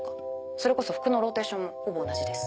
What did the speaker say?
それこそ服のローテーションもほぼ同じです。